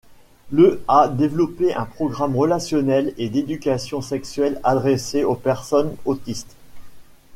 Le a développé un programme relationnel et d'éducation sexuelle adressé aux personnes autistes.